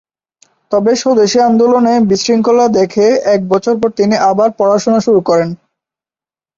তবে স্বদেশী আন্দোলনে বিশৃঙ্খলা দেখে এক বছর পর তিনি আবার পড়াশোনা শুরু করেন।